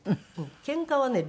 「けんかはね